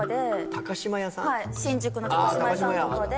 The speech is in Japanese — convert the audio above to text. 新宿の島屋さんとかで。